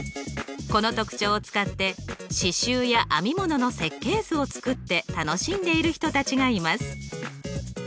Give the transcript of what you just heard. この特徴を使って刺しゅうや編み物の設計図を作って楽しんでいる人たちがいます。